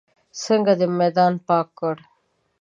څنګه دې میدان پاک کړ.